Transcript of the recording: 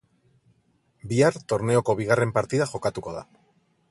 Bihar torneoko bigarren partida jokatuko da.